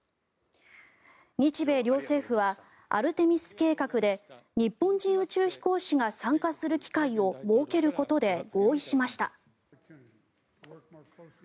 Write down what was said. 日米両政府はアルテミス計画で日本人宇宙飛行士が参加する機会を設けることで合意しました。